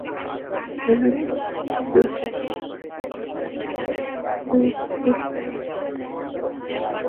জ্ঞাতও নহেন অজ্ঞাতও নহেন, কিন্তু উভয় হইতেই অনন্তগুণ ঊর্ধ্বে, তিনি তোমার আত্মাস্বরূপ।